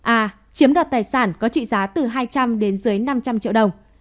a chiếm đoạt tài sản có trị giá từ hai trăm linh đến dưới năm trăm linh triệu đồng